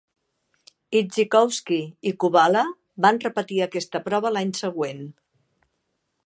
Idzikowski i Kubala van repetir aquesta prova l'any següent.